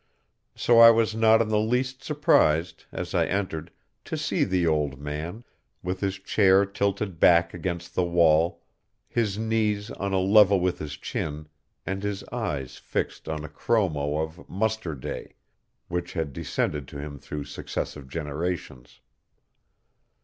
So I was not in the least surprised, as I entered, to see the old man, with his chair tilted back against the wall, his knees on a level with his chin, and his eyes fixed on a chromo of "Muster Day," which had descended to him through successive generations.